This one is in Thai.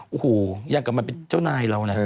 โอ้โหอย่างกับมันเป็นเจ้านายเราแหละ